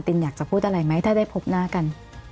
อยากจะพูดอะไรไหมถ้าได้พบหน้ากัน